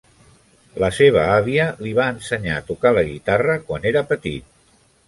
La seva àvia li va ensenyar a tocar la guitarra quan era petit.